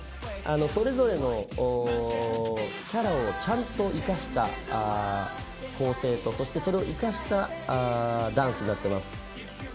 それぞれのキャラをちゃんと生かした構成とそしてそれを生かしたダンスになってます。